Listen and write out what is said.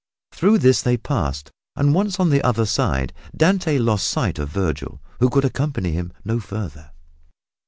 Through this they passed, and once on the other side Dante lost sight of Vergil, who could accompany him no further.